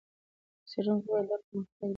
څېړونکو وویل، دا پرمختګ دی.